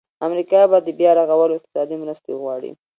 امریکا به د بیا رغولو اقتصادي مرستې وغواړي.